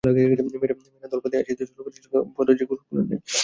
মেয়েরা দল বাধিয়া আসিতে শুরু করিয়াছিল, পাগলদিদি দরজা খোলেন নাই।